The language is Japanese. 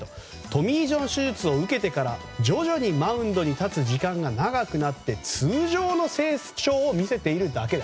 トミー・ジョン手術を受けてから徐々にマウンドに立つ時間が長くなって、通常の成長を見せているだけ。